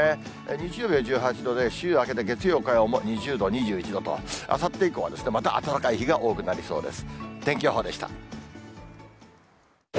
日曜日は１８度で、週明けて月曜、火曜も２０度、２１度と、あさって以降はまた暖かい日が多くなりそうです。